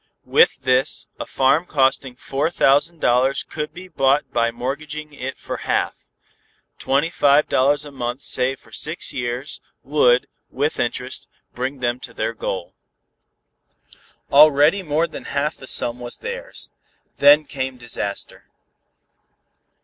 With this, a farm costing four thousand dollars could be bought by mortgaging it for half. Twenty five dollars a month saved for six years, would, with interest, bring them to their goal. Already more than half the sum was theirs. Then came disaster.